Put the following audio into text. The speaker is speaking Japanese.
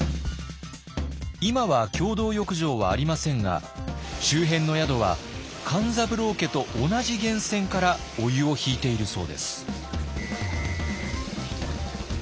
今は共同浴場はありませんが周辺の宿は勘三郎家と同じ源泉からお湯を引いているそうです。